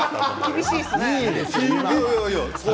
厳しいですね。